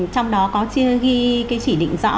trong đó có ghi cái chỉ định rõ